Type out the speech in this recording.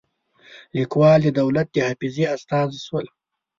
لیکوال د دولت د حافظې استازي شول.